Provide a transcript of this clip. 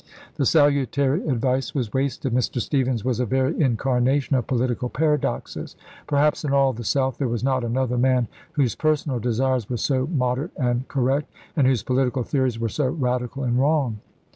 The salutary advice was wasted. Mr. Stephens was a very incarnation of political paradoxes. Per haps in all the South there was not another man whose personal desires were so moderate and cor rect, and whose political theories were so radical and wrong.